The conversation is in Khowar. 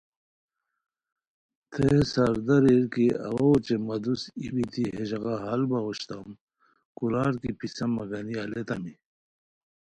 تھے ہے ساردہ ریر کی اوا اوچے مہ دوست ای بیتی ہتے ژاغا حل باؤ اوشوتام کورار کی پیسہ مہ گنی الیتامی